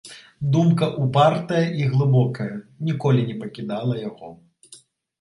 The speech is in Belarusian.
Думка, упартая і глыбокая, ніколі не пакідала яго.